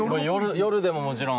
夜でももちろん。